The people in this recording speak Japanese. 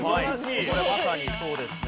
これまさにそうですね。